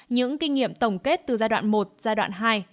những kinh nghiệm tổng kết từ giai đoạn một giai đoạn hai